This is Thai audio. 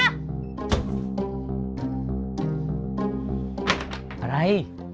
อะไร